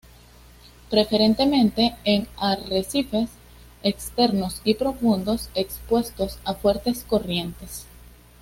Preferentemente en arrecifes externos y profundos, expuestos a fuertes corrientes.